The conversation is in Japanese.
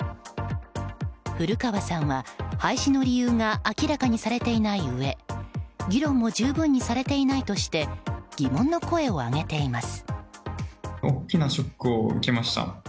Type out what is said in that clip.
古川さんは廃止の理由が明らかにされていないうえ議論も十分にされていないとして疑問の声を上げています。